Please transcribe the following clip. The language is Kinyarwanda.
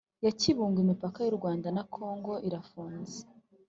ya Kibungo imipaka y uwanda nakongo irafunze